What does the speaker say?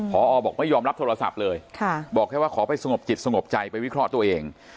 พอบอกไม่ยอมรับโทรศัพท์เลยบอกแค่ว่าขอไปสงบจิตสงบใจไปวิเคราะห์ตัวเอง